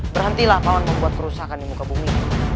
berhentilah pawan membuat kerusakan di muka bumi